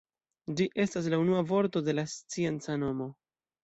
Ĝi estas la unua vorto de la scienca nomo.